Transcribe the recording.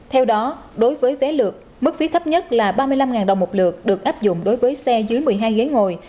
theo đó đối với vé lượt mức phí thấp nhất là ba mươi năm đồng một lượt được áp dụng đối với xe dưới một mươi hai ghế ngồi